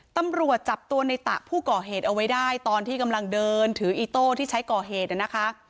ตำรวจจับตัวในตะผู้ก่อเหตุเอาไว้ได้ตอนที่กำลังเดินถืออีโต้ที่ใช้ก่อเหตุนะคะ